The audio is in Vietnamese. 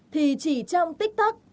thì chỉ trong tích tắc